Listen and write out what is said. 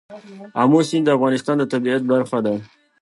آمو سیند د افغانستان د طبیعت برخه ده.